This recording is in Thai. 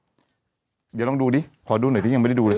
เดี๋ยวลองดูดิขอดูหน่อยที่ยังไม่ได้ดูเลย